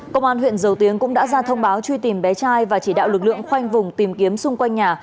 công an huyện dầu tiếng cũng đã ra thông báo truy tìm bé trai và chỉ đạo lực lượng khoanh vùng tìm kiếm xung quanh nhà